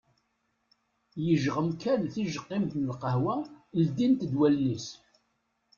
Yejɣem kan tijeqqimt n lqahwa ldint-d wallen-is.